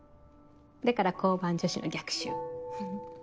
だから交番女子の逆襲フフっ。